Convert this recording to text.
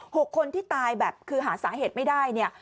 หกคนที่ตายหาสาเหตุไม่ได้